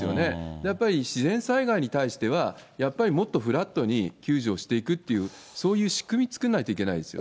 やっぱり自然災害に対しては、やっぱりもっとフラットに救助をしていくっていう、そういう仕組み、作んないといけないですよね。